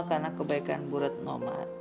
karena kebaikan bu retno